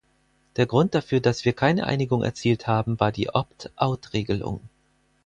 Der Grund dafür, dass wir keine Einigung erzielt haben, war die Opt-out-Regelung.